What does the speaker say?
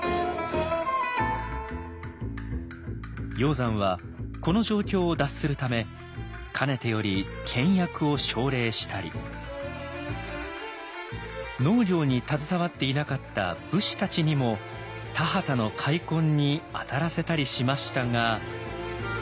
鷹山はこの状況を脱するためかねてより倹約を奨励したり農業に携わっていなかった武士たちにも田畑の開墾に当たらせたりしましたが。